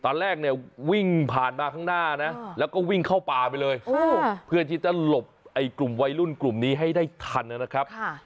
ตอนแรกเนี่ยวิ่งผ่านมาข้างหน้านะแล้วก็วิ่งเข้าป่าไปเลยเพื่อที่จะหลบกลุ่มวัยรุ่นกลุ่มนี้ให้ได้ทันนะครับ